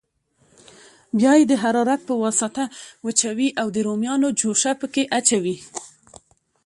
بیا یې د حرارت په واسطه وچوي او د رومیانو جوشه پکې اچوي.